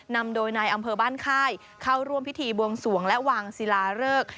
นำโดยนายอำเภอบ้านค่ายเข้าร่วมพิธีบวงสวงและวางศิลาเริก